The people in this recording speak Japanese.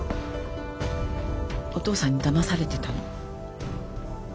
お父さんにだまされてたの。